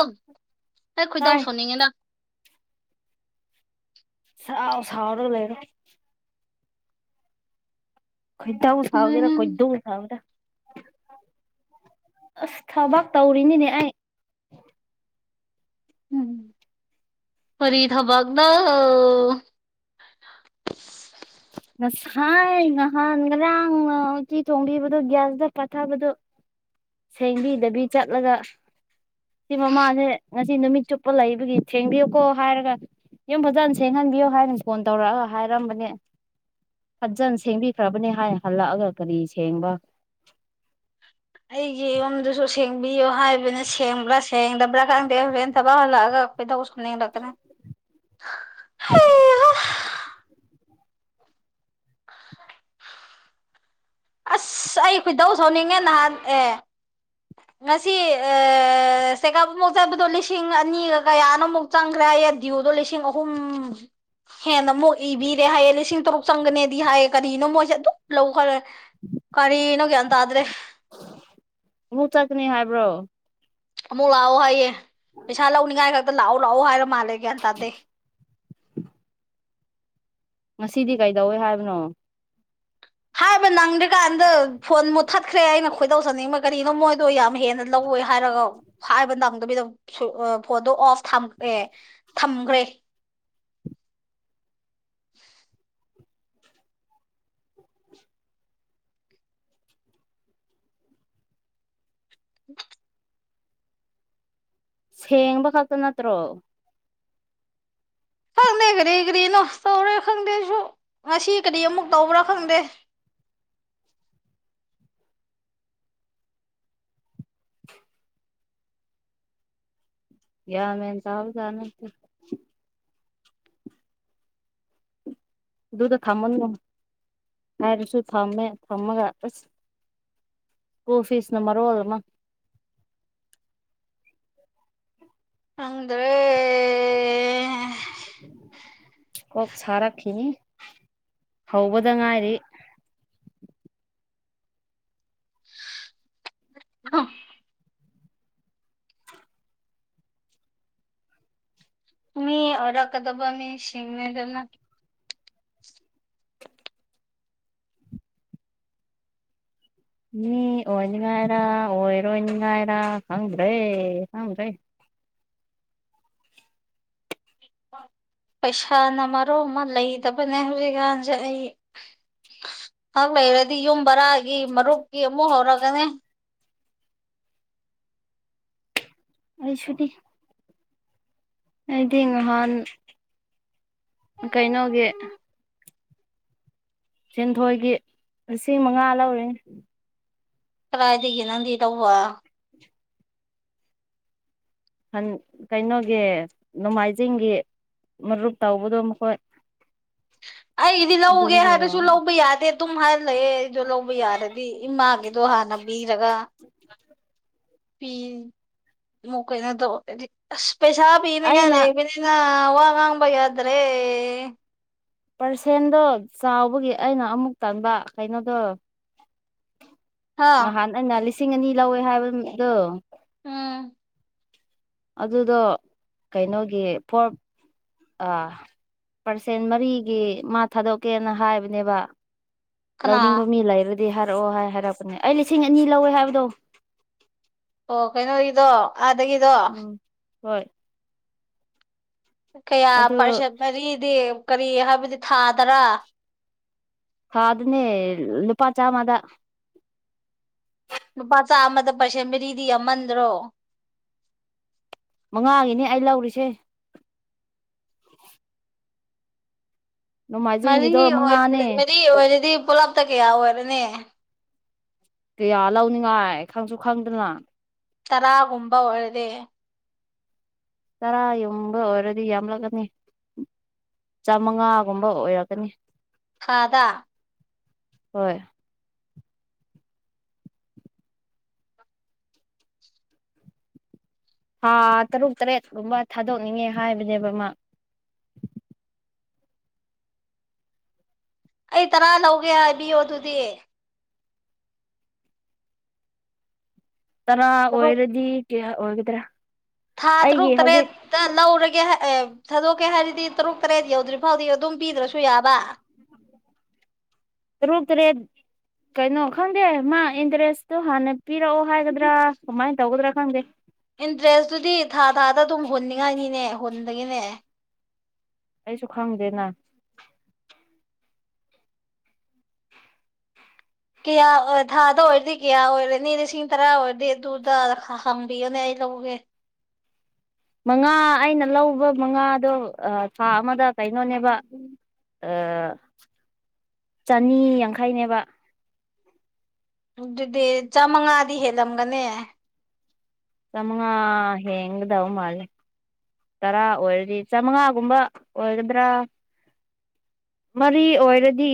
ꯑ ꯑꯩ ꯈꯣꯏꯗꯧ ꯇꯥꯏ ꯁꯣꯟꯅꯤꯡꯉꯤꯅ ꯁꯥ ꯁꯥꯎꯔ ꯂꯩꯔꯣ ꯈꯨꯣꯏꯗꯕꯨ ꯁꯥꯥꯎꯒꯔ ꯈꯨꯣꯏꯗꯕꯨ ꯁꯥꯥꯎꯕꯗ ꯑꯁ ꯊꯕꯥꯛ ꯇꯧꯔꯤꯅꯤꯅꯦ ꯑꯩ ꯎꯝ ꯐꯔꯤ ꯊꯕꯒꯗ ꯉꯁꯥꯏ ꯅꯍꯥꯟ ꯉꯔꯥꯡ ꯎꯇꯤ ꯊꯣꯡꯕꯤꯕꯗꯨꯣ ꯒ꯭ꯌꯥꯁꯇ ꯄꯥꯊꯕꯗꯣ ꯁꯦꯡꯕꯤꯗꯕꯤ ꯆꯠꯂꯒ ꯁꯤ ꯃꯃꯥꯁꯦ ꯉꯁꯤ ꯅꯨꯃꯤꯠ ꯆꯨꯞꯄ ꯂꯩꯕꯒꯤ ꯊꯦꯡꯕꯤꯌꯨꯀꯣ ꯍꯥꯏꯔꯒ ꯌꯨꯝ ꯐꯖꯅ ꯁꯦꯡꯍꯟꯕꯤꯌꯣ ꯍꯥꯏꯅ ꯐꯣꯟ ꯇꯧꯔꯛꯑꯒ ꯍꯥꯏꯔꯝꯕꯅꯦ ꯐꯟꯖꯟ ꯁꯦꯡꯕꯤꯈ꯭ꯔꯕꯅꯤ ꯍꯥꯏꯅ ꯍꯜꯂꯛꯑꯒ ꯀꯔꯤ ꯁꯦꯡꯕ ꯑꯩꯒꯤ ꯌꯨꯝꯗꯨꯁꯨ ꯁꯦꯡꯕꯤꯌꯨ ꯍꯥꯏꯕꯅ ꯁꯦꯡꯕ꯭ꯔꯥ ꯁꯦꯡꯗꯕ꯭ꯔꯥ ꯈꯪꯗꯦ ꯍꯣꯔꯦꯟ ꯊꯕꯛ ꯍꯜꯂꯛꯑꯒ ꯀꯩꯗꯧ [unintelligible] ꯑꯁ ꯑꯩ ꯈꯣꯏꯗꯧ ꯁꯧꯅꯤꯡꯉꯦ ꯅꯍꯥꯟ ꯑꯦ ꯉꯁꯤ ꯆꯦꯀꯞ ꯑꯃꯨꯛ ꯆꯠꯄꯗꯣ ꯂꯤꯁꯤꯡ ꯑꯅꯤꯒ ꯀꯌꯥꯅꯣꯃꯨꯛ ꯆꯪꯈ꯭ꯔꯦ ꯍꯥꯢꯑꯦ ꯗꯤꯌꯨꯗꯣ ꯂꯤꯁꯤꯡ ꯑꯍꯨꯝ ꯍꯦꯟꯅ ꯑꯃꯨꯛ ꯏꯕꯤꯔꯦ ꯍꯥꯏꯌꯦ ꯂꯤꯁꯤꯡ ꯇꯔꯨꯛ ꯆꯪꯒꯅꯦꯗꯤ ꯍꯥꯏꯌꯦ ꯀꯔꯤꯒꯤꯅꯣ ꯃꯣꯏꯁꯦ ꯑꯗꯨꯝ ꯂꯧꯈ꯭ꯔꯦ ꯀꯔꯤꯅꯣ ꯀ꯭ꯌꯥꯟ ꯇꯥꯗ꯭ꯔꯦ ꯑꯃꯨꯛ ꯆꯠꯀꯅꯤ ꯍꯥꯏꯕ꯭ꯔꯣ ꯑꯃꯨꯛ ꯂꯥꯛꯑꯣ ꯍꯥꯏꯌꯦ ꯄꯩꯁꯥ ꯂꯧꯅꯤꯡꯉꯥꯏ ꯈꯛꯇ ꯂꯥꯛꯑꯣ ꯂꯥꯛꯑꯣ ꯍꯥꯏꯕ ꯃꯥꯜꯂꯦ ꯒ꯭ꯌꯥꯟ ꯇꯥꯗꯦ ꯉꯁꯤꯗꯤ ꯀꯩꯗꯧꯋꯦ ꯍꯥꯏꯕꯅꯣ ꯍꯥꯏꯕ ꯅꯪꯗ꯭ꯔꯤꯀꯥꯟꯗ ꯐꯣꯟ ꯃꯨꯠꯊꯠꯈ꯭ꯔꯦ ꯑꯩꯅ ꯈꯣꯏꯗꯧꯖꯅꯤꯡꯕ ꯀꯔꯤꯅꯣ ꯃꯣꯏ ꯑꯗꯨꯣ ꯌꯥꯝ ꯍꯦꯟꯅ ꯂꯧꯋꯦ ꯍꯥꯏꯔꯒ ꯍꯥꯏꯕ ꯅꯝꯗꯕꯤꯗ ꯐꯣꯟꯗꯣ ꯑꯣꯐ ꯊꯝꯃꯛꯑꯦ ꯊꯝꯈ꯭ꯔꯦ [inaudible] ꯁꯦꯡꯕ ꯈꯛꯇ ꯅꯠꯇ꯭ꯔꯣ ꯈꯪꯗꯦ ꯀꯔꯤ ꯀꯔꯤꯅꯣ ꯇꯧꯔꯦ ꯈꯪꯗꯦꯁꯨ ꯉꯁꯤ ꯀꯔꯤ ꯑꯃꯨꯛ ꯇꯧꯕ꯭ꯔꯥ ꯈꯪꯗꯦ [inaudible] ꯌꯥ ꯃꯦꯟ ꯇꯥꯕꯖꯥ ꯅꯠꯇꯦ ꯑꯗꯨꯗ ꯊꯝꯃꯅꯨ ꯍꯥꯏꯔꯁꯨ ꯊꯝꯃꯦ ꯊꯝꯃꯒ ꯑꯁ ꯀꯨꯜ ꯐꯤꯁꯅ ꯃꯔꯣꯟ ꯑꯃ ꯈꯪꯗ꯭ꯔꯦ ꯀꯣꯛ ꯁꯥꯔꯛꯈꯤꯅꯤ ꯍꯧꯕꯗ ꯉꯥꯏꯔꯤ [inaudible] ꯃꯤ ꯑꯣꯔꯛꯀꯗꯕ ꯃꯤ ꯁꯤꯁꯤꯡꯅꯦꯗꯅ ꯃꯤ ꯑꯣꯏꯅꯤꯉꯥꯏꯔꯥ ꯑꯣꯏꯔꯣꯏꯅꯤꯉꯥꯏꯔ ꯈꯪꯗ꯭ꯔꯦ ꯈꯪꯗ꯭ꯔꯦ ꯄꯩꯁꯥꯅ ꯃꯔꯣ ꯑꯃ ꯂꯩꯇꯕꯅꯦ ꯍꯧꯖꯤꯛꯀꯥꯟꯁꯦ ꯑꯩ ꯍꯪ ꯂꯩꯔꯗꯤ ꯌꯨꯝ ꯕꯔꯥꯒꯤ ꯃꯔꯨꯞꯀꯤ ꯑꯃꯨꯛ ꯍꯧꯔꯛꯒꯅꯤ ꯑꯩꯁꯨꯅꯤ ꯑꯩꯗꯤ ꯉꯍꯥꯟ ꯀꯩꯅꯣꯒꯤ ꯁꯦꯟꯊꯣꯏꯒꯤ ꯂꯤꯁꯤꯡ ꯃꯉꯥ ꯂꯧꯔꯤꯅꯦ ꯀꯗꯥꯥꯏꯗꯒꯤ ꯅꯪꯗꯤ ꯇꯧꯕ ꯑꯟ ꯀꯩꯅꯣꯒꯤ ꯅꯣꯡꯃꯥꯏꯖꯤꯡꯒꯤ ꯃꯔꯨꯞ ꯇꯧꯕꯗꯣ ꯃꯈꯣꯏ ꯑꯩꯗꯤ ꯂꯧꯒꯦ ꯑꯗꯨꯗꯒꯤ ꯍꯥꯏꯕꯁꯨ ꯋꯥꯕ ꯂꯧꯕ ꯌꯥꯗꯦ ꯇꯨꯝ ꯍꯥꯏꯔ ꯂꯩꯌꯦ ꯑꯩꯁꯨ ꯂꯧꯕ ꯌꯥꯔꯗꯤ ꯗꯤ ꯏꯃꯥꯒꯤꯗꯣ ꯍꯥꯟꯅ ꯄꯤꯔꯒ ꯄꯤꯃꯨꯛ ꯀꯩꯅꯣ ꯑꯁ ꯄꯦꯁꯥ ꯄꯤꯅꯤꯉꯥꯢ ꯑꯩꯅ ꯂꯩꯇꯦꯗ ꯋꯥꯉꯥꯡꯕ ꯌꯥꯗ꯭ꯔꯦ ꯄꯔꯁꯦꯟꯗꯣ ꯆꯥꯎꯕꯒꯤ ꯑꯩꯅ ꯑꯃꯨꯛ ꯇꯟꯕ ꯀꯩꯅꯣꯗꯣ ꯍꯥ ꯉꯍꯥꯟ ꯑꯩꯅ ꯂꯤꯁꯤꯡ ꯑꯅꯤ ꯂꯧꯋꯦ ꯍꯥꯏꯕ ꯅꯨꯃꯤꯠꯇꯣ ꯎꯝ ꯑꯗꯨꯗꯣ ꯀꯩꯅꯣꯒꯤ ꯐꯣꯔ ꯑꯥ ꯄꯥꯔꯁꯦꯟ ꯃꯔꯤꯒꯤ ꯃꯥ ꯊꯥꯗꯣꯛꯀꯦꯅ ꯍꯥꯏꯕꯅꯦꯕ ꯀꯅꯥ ꯂꯧꯅꯤꯡꯕ ꯃꯤ ꯂꯩꯔꯗꯤ ꯍꯥꯏꯔꯛꯑꯣ ꯍꯥꯏ ꯍꯥꯏꯔꯛꯄꯅꯦ ꯑꯩ ꯂꯤꯁꯤꯡ ꯑꯅꯤ ꯂꯧꯋꯦ ꯍꯥꯏꯕꯗꯣ ꯑꯣ ꯀꯩꯅꯣ ꯒꯤꯗꯣ ꯑꯥꯗꯒꯤ ꯎꯝ ꯍꯣꯏ ꯀꯌꯥ ꯑꯗꯨ ꯄꯔꯁꯦꯟ ꯃꯔꯤꯗꯤ ꯀꯔꯤ ꯍꯥꯏꯕꯗꯤ ꯊꯥ ꯗꯔꯥ ꯊꯥꯗꯅꯦ ꯂꯨꯄꯥ ꯆꯥꯝꯃꯗ ꯂꯨꯄꯥ ꯆꯥꯜꯃꯗ ꯄꯔꯁꯦꯟ ꯃꯔꯤꯗꯤ ꯌꯥꯝꯃꯟꯗ꯭ꯔꯣ ꯃꯉꯥꯒꯤꯅꯤ ꯑꯩ ꯂꯧꯔꯤꯁꯦ ꯃꯔꯤ ꯅꯣꯡꯃꯥꯏꯖꯤꯡꯒꯤꯗꯣ ꯃꯉꯥꯅꯦ ꯑꯣꯏꯕꯗꯤ ꯃꯔꯤ ꯑꯣꯏꯔꯗꯤ ꯄꯨꯂꯞꯇ ꯀꯌꯥ ꯑꯣꯏꯔꯅꯤ ꯀꯌꯥ ꯂꯧꯅꯤꯡꯉꯥꯏ ꯈꯪꯁꯨ ꯈꯪꯗꯅ ꯇꯔꯥꯒꯨꯝꯕ ꯑꯣꯢꯔꯗꯤ ꯇꯔꯥ ꯌꯨꯝꯕ ꯑꯣꯏꯔꯗꯤ ꯌꯥꯝꯂꯛꯀꯅꯤ ꯆꯥꯃꯉꯥꯒꯨꯝꯕ ꯑꯣꯏꯔꯛꯀꯅꯤ ꯊꯥꯗ ꯍꯣꯏ ꯍꯥ ꯇꯔꯨꯛ ꯇꯔꯦꯠꯒꯨꯝꯕ ꯊꯥꯗꯣꯛꯅꯤꯡꯉꯦ ꯍꯥꯏꯕꯅꯦꯕ ꯃꯥ ꯑꯩ ꯇꯔꯥ ꯂꯧꯒꯦ ꯍꯥꯏꯕꯤꯌꯣ ꯑꯗꯨꯗꯤ ꯇꯔꯥ ꯇꯔꯨꯛ ꯑꯣꯏꯔꯗꯤ ꯀꯌꯥ ꯑꯣꯏꯒꯗ꯭ꯔꯥ ꯊꯥ ꯑꯩꯒꯤ ꯇꯔꯨꯛ ꯍꯧꯖꯤꯛ ꯇꯔꯦꯠꯇ ꯂꯧꯔꯒꯦ ꯑꯦ ꯊꯥꯗꯣꯛꯀꯦ ꯍꯥꯏꯔꯗꯤ ꯇꯔꯨꯛ ꯇꯔꯦꯠ ꯌꯧꯗ꯭ꯔꯤ ꯐꯥꯎꯗꯤ ꯑꯗꯨꯝ ꯄꯤꯗ꯭ꯔꯁꯨ ꯌꯥꯕ ꯇꯔꯨꯛ ꯇꯔꯦꯠ ꯀꯩꯅꯣ ꯈꯪꯗꯦ ꯃꯥ ꯏꯟꯇꯔꯦꯁꯇꯨ ꯍꯥꯟꯅ ꯄꯤꯔꯛꯑꯣ ꯍꯥꯏꯒꯗ꯭ꯔꯥ ꯀꯃꯥꯏꯅ ꯇꯧꯒꯗ꯭ꯔꯥ ꯈꯪꯗꯦ ꯏꯟꯇꯔꯦꯁꯇꯨꯗꯤ ꯊꯥ ꯊꯥꯗ ꯑꯗꯨꯝ ꯍꯨꯟꯅꯤꯡꯉꯥꯏꯅꯤꯅꯦ ꯍꯨꯟꯗꯒꯤꯅꯦ ꯑꯩꯁꯨ ꯈꯪꯗꯦꯅ ꯀꯌꯥ ꯊꯥꯗ ꯑꯣꯏꯔꯗꯤ ꯀꯌꯥ ꯑꯣꯏꯔꯅꯤ ꯂꯤꯁꯤꯡ ꯇꯔꯥ ꯑꯣꯏꯔꯗꯤ ꯑꯗꯨꯗ ꯍꯪꯕꯤꯌꯨꯅꯦ ꯑꯩ ꯂꯧꯒꯦ ꯃꯉꯥ ꯑꯩꯅ ꯂꯧꯕ ꯃꯉꯥꯗꯣ ꯊꯥ ꯑꯃꯗ ꯀꯩꯅꯣꯅꯦꯕ ꯑ ꯆꯅꯤ ꯌꯥꯡꯈꯩꯅꯦꯕ ꯑꯗꯨꯗꯤ ꯆꯥꯃꯉꯥꯗꯤ ꯍꯦꯜꯂꯝꯒꯅꯤ ꯆꯥꯃꯉꯥ ꯍꯦꯟꯒꯗꯧ ꯃꯥꯜꯂꯦ ꯇꯔꯥ ꯑꯣꯏꯔꯗꯤ ꯆꯥꯃꯉꯥꯒꯨꯝꯕ ꯑꯣꯏꯒꯗ꯭ꯔꯥ ꯃꯔꯤ ꯑꯣꯏꯔꯗꯤ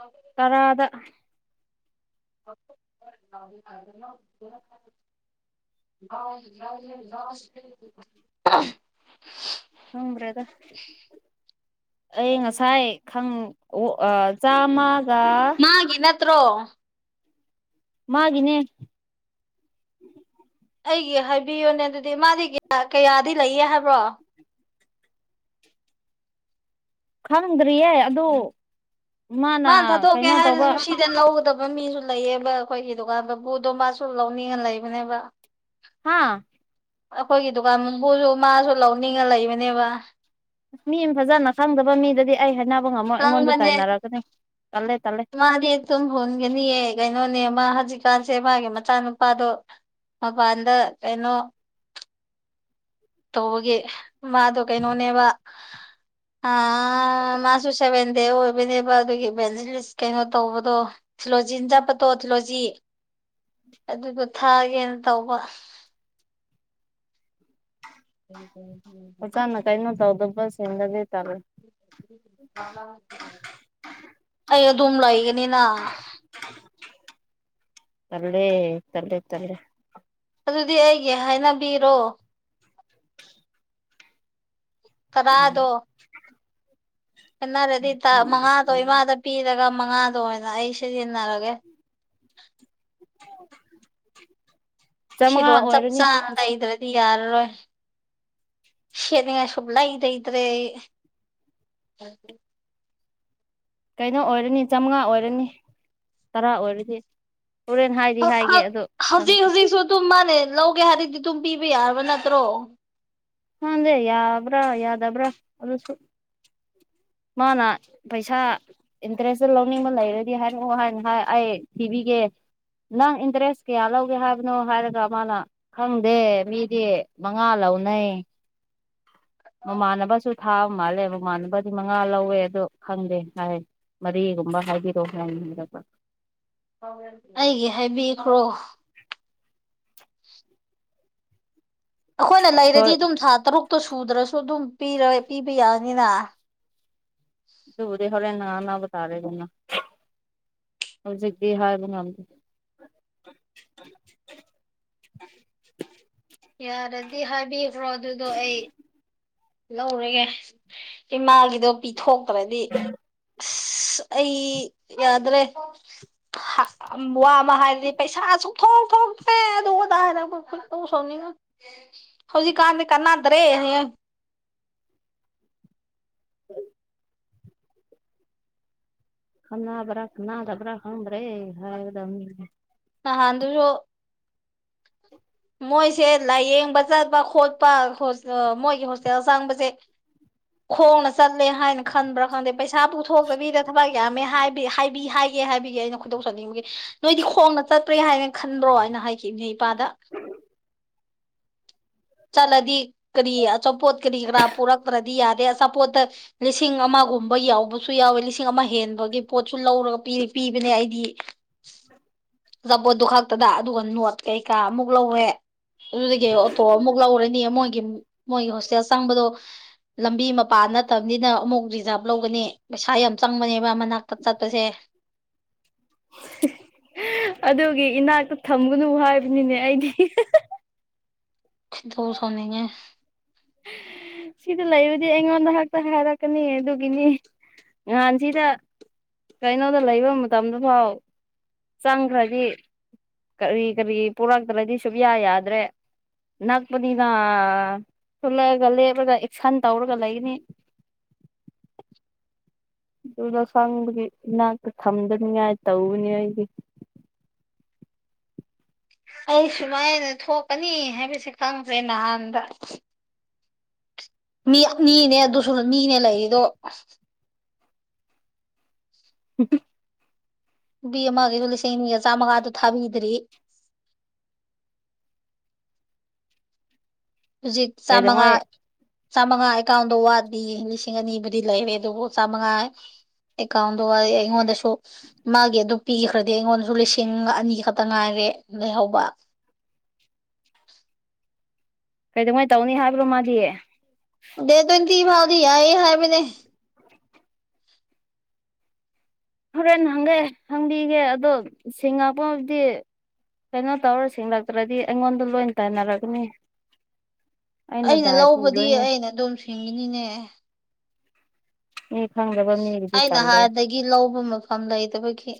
ꯑ [inaudible] ꯇꯔꯥꯗ [unintelligible] [unintelligible] ꯈꯪꯗ꯭ꯔꯦꯗ ꯑꯩ ꯉꯁꯥꯏ ꯈꯪ ꯑꯣ ꯆꯥꯝꯃꯒ ꯃꯥꯒꯤ ꯅꯠꯇ꯭ꯔꯣ ꯃꯥꯒꯤꯅꯦ ꯑꯩꯒꯤ ꯍꯥꯏꯕꯤꯌꯨꯅꯦ ꯑꯗꯨꯗꯤ ꯃꯥꯗꯤ ꯀꯌꯥꯗꯤ ꯂꯩꯌꯦ ꯍꯥꯏꯕ꯭ꯔꯣ ꯈꯪꯗ꯭ꯔꯤꯌꯦ ꯑꯗꯨ ꯃꯥꯅ ꯊꯥꯗꯣꯛꯀꯦ ꯀꯩꯅꯣ ꯇꯧꯕ ꯍꯥꯏꯔꯁꯨ ꯁꯤꯗ ꯂꯧꯒꯗꯕ ꯃꯤꯁꯨ ꯂꯩꯌꯦꯕ ꯑꯩꯈꯣꯏꯒꯤ ꯗꯨꯀꯥꯟ ꯃꯄꯨꯗꯣ ꯃꯥꯁꯨ ꯂꯧꯅꯤꯡꯉ ꯂꯩꯕꯅꯦꯕ ꯍꯥꯥ ꯑꯩꯈꯣꯏꯒꯤ ꯗꯨꯀꯥꯟ ꯃꯄꯨꯁꯨ ꯃꯥꯁꯨ ꯂꯧꯅꯤꯡꯉ ꯂꯩꯕꯅꯦꯕ ꯃꯤ ꯐꯖꯅ ꯈꯪꯗꯕ ꯃꯤꯗꯗꯤ ꯑꯩ ꯍꯥꯏꯅꯕ ꯉꯝꯃꯣ ꯑꯩꯉꯣꯟꯗ ꯂꯪꯕꯅꯦ ꯇꯥꯏꯅꯔꯛꯅꯤ ꯇꯜꯂꯦ ꯇꯜꯂꯦ ꯃꯥꯗꯤ ꯑꯗꯨꯝ ꯍꯨꯟꯒꯅꯤꯌꯦ ꯀꯩꯅꯣꯅꯦ ꯃꯥ ꯍꯧꯖꯤꯛꯀꯥꯟꯁꯦ ꯃꯥꯒꯤ ꯃꯆꯥꯅꯨꯄꯥꯗꯣ ꯃꯄꯥꯟꯗ ꯀꯩꯅꯣ ꯇꯧꯕꯒꯤ ꯃꯥꯗꯣ ꯀꯩꯅꯣꯅꯦꯕ ꯑ ꯃꯥꯁꯨ ꯁꯦꯚꯦꯟ ꯗꯦ ꯑꯣꯏꯕꯅꯦꯕ ꯑꯗꯨꯒꯤ ꯚꯦꯟꯁ ꯀꯩꯅꯣ ꯇꯧꯕꯗꯣ [inaudible] ꯊꯤꯜꯂꯣꯖꯤꯅ ꯆꯠꯄꯗꯣ ꯊꯤꯜꯂꯣꯖꯤ ꯑꯗꯨꯗꯣ ꯊꯥꯒꯦꯅ ꯇꯧꯕ [inaudible] ꯐꯖꯅ ꯀꯩꯅꯣ ꯇꯧꯗꯕꯁꯤꯡꯗꯨꯗꯤ ꯇꯜꯂꯦ ꯑꯩ ꯑꯗꯨꯝ ꯂꯩꯒꯅꯤꯅ ꯇꯜꯂꯦ ꯇꯜꯂꯦ ꯇꯜꯂꯦ ꯑꯗꯨꯗꯤ ꯑꯩꯒꯤ ꯍꯥꯏꯅꯕꯤꯔꯣ ꯇꯔꯥꯗꯣ ꯈꯦꯟꯅꯔꯗꯤ ꯃꯉꯥꯗꯣ ꯏꯃꯥꯗ ꯄꯤꯔꯒ ꯃꯉꯥꯗꯣ ꯑꯣꯏꯅ ꯑꯩ ꯁꯤꯖꯤꯟꯅꯔꯒꯦ [unintelligible] ꯆꯥꯃꯉꯥ ꯐꯤꯔꯣꯜ ꯆꯞ ꯑꯣꯏꯔꯅꯤ ꯆꯥꯅ ꯂꯩꯩꯗ꯭ꯔꯗꯤ ꯌꯥꯔꯔꯣꯏ ꯁꯦꯠꯅꯤꯡꯉꯥꯏ ꯁꯨꯛꯂꯩ ꯂꯩꯗ꯭ꯔꯦ ꯑꯩ ꯀꯩꯅꯣ ꯑꯣꯏꯔꯅꯤ ꯆꯥꯝꯃꯉꯥ ꯑꯣꯏꯔꯅꯤ ꯇꯔꯥ ꯑꯣꯏꯔꯗꯤ ꯍꯣꯔꯦꯟ ꯍꯥꯏꯗꯤ ꯍꯥꯏꯒꯦ ꯑꯗꯣ ꯍꯧꯖꯤꯛ ꯈꯪꯁꯤꯦ ꯍꯧꯖꯤꯛꯁꯨ ꯑꯗꯨꯝ ꯃꯥꯅꯦ ꯂꯧꯒꯦ ꯍꯥꯏꯔꯗꯤ ꯑꯗꯨꯝ ꯄꯤꯕ ꯌꯥꯔꯕ ꯅꯠꯇ꯭ꯔꯣ ꯅꯗꯦ ꯌꯥꯕ꯭ꯔꯥ ꯌꯥꯗꯕ꯭ꯔꯥ ꯑꯗꯨꯁꯨ ꯃꯥꯅ ꯄꯩꯁꯥ ꯏꯟꯇꯔꯦꯁꯁꯦ ꯂꯧꯅꯤꯡꯕ ꯂꯩꯔꯗꯤ ꯍꯥꯏꯔꯛꯑꯣ ꯍꯥꯏꯅ ꯍꯥꯏ ꯑꯩ ꯊꯤꯕꯤꯒꯦ ꯅꯪ ꯏꯟꯇꯔꯦꯁ ꯀꯌꯥ ꯂꯧꯒꯦ ꯍꯥꯏꯕꯅꯣ ꯍꯥꯏꯔꯒ ꯃꯥꯅ ꯈꯪꯗꯦ ꯃꯤꯗꯤ ꯃꯉꯥ ꯂꯧꯅꯩ ꯃꯃꯥꯟꯅꯕꯁꯨ ꯊꯥ ꯃꯥꯜꯂꯦ ꯃꯃꯥꯟꯅꯕ ꯑꯗꯨ ꯃꯉꯥ ꯂꯧꯋꯦ ꯑꯗꯣ ꯈꯪꯗꯦ ꯍꯥꯏ ꯃꯔꯤꯒꯨꯝꯕ ꯍꯥꯏꯕꯤꯔꯛꯑꯣ ꯍꯥꯏꯔꯛꯄ ꯑꯩꯒꯤ ꯍꯥꯏꯕꯤꯈ꯭ꯔꯣ ꯑꯩꯈꯣꯏꯅ ꯍꯣꯏ ꯂꯩꯔꯗꯤ ꯑꯗꯨꯝ ꯊꯥ ꯇꯔꯨꯛꯇꯣ ꯁꯨꯗ꯭ꯔꯁꯨ ꯑꯗꯨꯝ ꯄꯤ ꯄꯤꯕ ꯌꯥꯅꯤꯅ ꯑꯗꯨꯕꯨꯗꯤ ꯍꯣꯔꯦꯟ ꯉꯥꯡꯅꯕ ꯇꯥꯔꯦꯗꯅꯥ ꯍꯧꯖꯤꯛꯇꯤ ꯍꯥꯌꯕꯥ ꯉꯝꯗꯦ ꯌꯥꯔꯗꯤ ꯍꯥꯏꯕꯤꯈ꯭ꯔꯣ ꯑꯗꯨꯗꯣ ꯑꯩ ꯂꯧꯔꯒꯦ ꯏꯃꯥꯒꯤꯗꯣ ꯄꯤꯊꯣꯛꯇ꯭ꯔꯗꯤ ꯑꯩ ꯌꯥꯗ꯭ꯔꯦ ꯋꯥꯃ ꯍꯥꯏꯔꯗꯤ ꯄꯩꯁꯥꯁꯨ ꯊꯣꯛꯇꯔ꯭ꯦ ꯑꯗꯨꯒꯤ ꯈꯣꯏꯗꯧ ꯁꯧꯅꯤꯡꯏ ꯍꯧꯖꯤꯛ ꯀꯥꯟꯗꯤ ꯀꯟꯅꯥꯗ꯭ꯔꯦ ꯀꯅꯥꯟꯕꯔ ꯀꯅꯥꯗꯕꯔꯥ ꯈꯪꯗꯔ꯭ꯦ ꯅꯍꯥꯟ ꯑꯗꯨꯁꯨ ꯃꯣꯏꯁꯦ ꯂꯥꯏꯌꯦꯡꯕ ꯆꯠꯄ ꯈꯣꯠꯄ ꯃꯣꯏꯒꯤ ꯍꯣꯁꯇꯦꯜ ꯆꯥꯡꯕꯁꯦ ꯈꯣꯡꯅ ꯆꯠꯂꯦ ꯍꯥꯏꯅ ꯈꯟꯕ꯭ꯔꯥ ꯀꯥꯟꯗ ꯄꯩꯁꯥ ꯄꯨꯊꯣꯛꯇꯕꯤꯗ ꯊꯕꯛ ꯌꯥꯝꯃꯦꯕꯤ ꯍꯥꯏ ꯑꯦ ꯍꯥꯏꯕꯒꯤ ꯑꯩꯅ ꯈꯨꯗꯧ ꯆꯅꯤꯡꯕꯒꯤ ꯅꯣꯏꯗꯤ ꯈꯣꯡꯅ ꯆꯠꯄ꯭ꯔꯦ ꯍꯥꯏꯅ ꯈꯟꯕ꯭ꯔꯣ ꯑꯩꯅ ꯍꯥꯏꯈꯤꯕ ꯑꯩꯅꯥ ꯏꯄꯥꯗ ꯆꯠꯂꯗꯤ ꯀꯔꯤ ꯑꯆꯥꯄꯣꯠ ꯀꯔꯤ ꯀꯔꯥ ꯄꯨꯔꯛꯇ꯭ꯔꯗꯤ ꯌꯥꯗꯦ ꯑꯆꯥꯄꯣꯠꯇ ꯂꯤꯁꯤꯡ ꯑꯃꯒ ꯌꯥꯎꯕ ꯌꯥꯎꯋꯦ ꯂꯤꯁꯤꯡ ꯑꯃ ꯍꯦꯟꯕꯒꯤ ꯄꯣꯠꯁꯨ ꯂꯧꯔ ꯄꯤꯕꯅꯦ ꯑꯩꯗꯤ ꯑꯆꯥꯄꯣꯠꯇꯣ ꯈꯛꯇꯗ ꯑꯗꯨꯒ ꯅꯣꯠ ꯀꯩꯀꯥ ꯑꯃꯨꯛ ꯂꯧꯋꯦ ꯑꯗꯨꯗꯒꯤ ꯑꯣꯇꯣ ꯑꯃꯨꯛ ꯅꯤ ꯃꯣꯏꯒꯤ ꯃꯣꯏꯒꯤ ꯍꯣꯁꯇꯦꯜ ꯆꯪꯕꯗꯣ ꯂꯝꯕꯤ ꯃꯄꯥꯟ ꯅꯠꯇꯕꯅꯤꯅ ꯑꯃꯨꯛ ꯔꯤꯖꯥꯕ ꯂꯧꯒꯅꯤ ꯄꯩꯁꯥ ꯌꯥꯝ ꯆꯪꯕꯅꯦꯕ ꯃꯅꯥꯛꯇ ꯆꯠꯄꯁꯦ ꯑꯗꯨꯒꯤ ꯏꯅꯥꯛꯇ ꯊꯝꯒꯅꯨ ꯍꯥꯏꯕꯅꯤꯅꯦ ꯑꯩꯗꯤ ꯈꯣꯏꯗꯧ ꯁꯧꯅꯤꯡꯉꯦ꯫ ꯁꯤꯗ ꯂꯩꯕꯗꯤ ꯑꯩꯉꯣꯟꯗ ꯍꯦꯛꯇ ꯍꯥꯏꯔꯛꯀꯅꯤ ꯑꯗꯨꯒꯤꯅꯤ ꯅꯍꯥꯟ ꯁꯤꯗ ꯀꯩꯅꯣꯗ ꯂꯩꯕ ꯃꯇꯝꯗ ꯐꯥꯎ ꯆꯪꯈ꯭ꯔꯗꯤ ꯀꯔꯤ ꯀꯔꯤ ꯄꯣꯔꯛꯇ꯭ꯔꯗꯤ ꯁꯨꯡꯌꯥ ꯌꯥꯗ꯭ꯔꯦ ꯅꯛꯄꯅꯤꯅ ꯊꯣꯔꯛꯂꯛꯑꯒ ꯂꯦꯞꯂꯒ ꯑꯦꯛꯁꯟ ꯇꯧꯔꯒ ꯂꯩꯒꯅꯤ ꯑꯗꯨꯗ ꯈꯪꯕꯒꯤ ꯏꯅꯥꯛꯇ ꯊꯝꯗꯅꯤꯡꯉꯥꯏ ꯇꯧꯕꯅꯤ ꯑꯩꯒꯤ ꯑꯩ ꯁꯨꯃꯥꯏꯅ ꯊꯣꯛꯀꯅꯤ ꯍꯥꯏꯕꯁꯦ ꯈꯪꯗ꯭ꯔꯦ ꯅꯍꯥꯟꯗ ꯃꯤ ꯃꯤꯅꯦ ꯑꯗꯨꯁꯨ ꯃꯤꯅꯦ ꯂꯩꯔꯤꯗꯣ ꯎ ꯅꯨꯄꯤ ꯑꯃꯒꯤꯁꯨ ꯂꯤꯁꯤꯡꯅꯤꯒ ꯆꯥꯝꯃꯒ ꯑꯗꯨ ꯊꯥꯕꯤꯗ꯭ꯔꯤ ꯍꯧꯖꯤꯛ ꯆꯥꯃꯉꯥ ꯀꯩꯗꯧꯉꯩ ꯆꯥꯝꯃꯉꯥ ꯑꯦꯀꯥꯎꯟꯗ ꯋꯥꯠꯂꯤ ꯂꯤꯁꯤꯡ ꯑꯅꯤꯕꯨꯗꯤ ꯂꯩꯔꯦ ꯑꯗꯨꯕꯨ ꯆꯥꯝꯃꯉꯥ ꯑꯦꯀꯥꯎꯟꯗ ꯑꯩꯉꯣꯟꯗꯁꯨ ꯃꯥꯒꯤ ꯑꯗꯨ ꯄꯤꯈ꯭ꯔꯗꯤ ꯑꯩꯉꯣꯟꯗꯁꯨ ꯂꯤꯁꯤꯡ ꯑꯅꯤ ꯈꯛꯇ ꯉꯥꯏꯔꯦ ꯂꯩꯍꯧꯕ ꯀꯩꯗꯧꯉꯩ ꯇꯧꯅꯤ ꯍꯥꯏꯕ꯭ꯔꯣ ꯃꯥꯗꯤ ꯗꯥꯇꯦ ꯇ꯭ꯋꯦꯟꯇꯤ ꯐꯥꯎꯗꯤ ꯌꯥꯏꯌꯦ ꯍꯥꯏꯕꯅꯦ ꯍꯣꯔꯦꯟ ꯍꯪꯒꯦ ꯍꯪꯕꯤꯒꯦ ꯑꯗꯣ ꯁꯤꯡꯉꯛꯄꯕꯨꯗꯤ ꯀꯩꯅꯣ ꯇꯧꯔ ꯁꯤꯡꯂꯛꯇ꯭ꯔꯗꯤ ꯑꯩꯉꯣꯟꯗ ꯂꯣꯏ ꯇꯥꯏꯅꯔꯛꯀꯅꯤ ꯑꯩꯅ ꯗꯥꯏ ꯂꯧꯕꯗꯤ ꯄꯨꯗꯣꯏꯅꯦ ꯑꯩꯅ ꯑꯗꯨꯝ ꯁꯤꯡꯒꯅꯤꯅꯦ ꯃꯤ ꯈꯪꯗꯕ ꯃꯤꯒꯤꯗꯤ ꯇꯥꯜꯂꯦ ꯒꯤ ꯂꯧꯕ ꯃꯐꯝ ꯂꯩꯇꯕꯒꯤ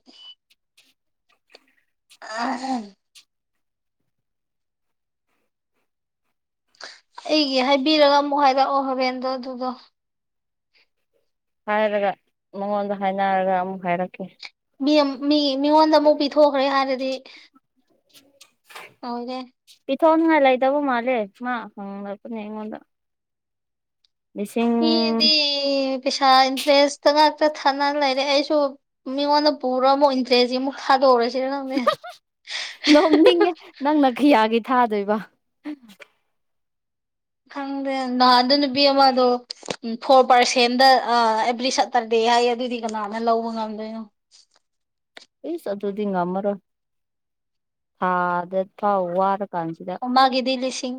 [unintelligible] ꯑꯩꯒꯤ ꯍꯥꯏꯕꯤꯔꯒ ꯑꯃꯨꯛ ꯍꯥꯏꯔꯛꯑꯣ ꯍꯣꯔꯦꯟꯗꯣ ꯑꯗꯨꯗꯣ ꯍꯥꯏꯔꯒ ꯃꯉꯣꯟꯗ ꯍꯥꯏꯅꯔꯒ ꯑꯃꯨꯛ ꯍꯥꯏꯔꯛꯀꯦ ꯃꯤ ꯃꯤ ꯃꯤꯉꯣꯟꯗ ꯑꯃꯨꯛ ꯄꯤꯊꯣꯛꯈ꯭ꯔꯦ ꯍꯥꯏꯔꯗꯤ [unintelligible] ꯇꯧꯗꯦ ꯄꯤꯊꯣꯛꯅꯤꯡꯉꯥꯏ ꯂꯩꯇꯕ ꯃꯥꯜꯂꯦ ꯃꯥ ꯍꯪꯂꯛꯄꯅꯦ ꯑꯩꯉꯣꯟꯗ ꯂꯤꯁꯤꯡ [unintelligible] ꯄꯩꯁꯥ ꯏꯟꯇꯔꯦꯁꯇ ꯉꯥꯛꯇ ꯊꯥꯅ ꯂꯩꯔꯦ ꯑꯩꯁꯨ ꯃꯤꯉꯣꯟꯗ ꯄꯨꯔꯣ ꯑꯃ ꯇꯔ꯭ꯦꯁꯀꯤ ꯑꯃꯨꯛ ꯇꯥꯗꯣꯛꯎꯔꯥꯁꯤꯔ ꯈꯪꯗꯦ ꯅꯣꯡꯅꯤꯡꯉꯦ ꯅꯪꯅ ꯀꯤꯌꯥꯒꯤ ꯊꯥꯗꯣꯏꯕ ꯈꯪꯗꯦ ꯅꯍꯥꯟꯗꯣ ꯅꯨꯄꯤ ꯑꯃꯗꯣ ꯐꯣꯔ ꯄꯥꯔꯁꯦꯟꯗ ꯑ ꯑꯦꯕ꯭ꯔꯤꯁꯠ ꯇꯔꯗꯦ ꯍꯥꯏꯌꯦ ꯑꯗꯨꯗꯤ ꯀꯅꯥꯅ ꯂꯧꯕ ꯉꯝꯗꯣꯏꯅꯣ ꯑꯦꯁ ꯑꯗꯨꯗꯤ ꯉꯝꯃꯔꯣꯏ ꯊꯥꯗ ꯊꯥꯎ ꯋꯥꯔ ꯀꯥꯟꯁꯤꯗ ꯃꯥꯒꯤꯗꯤ ꯂꯤꯁꯤꯡ